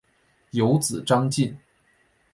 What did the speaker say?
有子张缙。